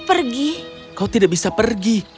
pergi kau tidak bisa pergi